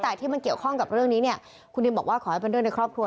แต่ที่มันเกี่ยวข้องกับเรื่องนี้เนี่ย